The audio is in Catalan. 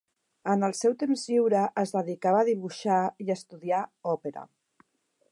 En el seu temps lliure es dedicava a dibuixar i a estudiar òpera.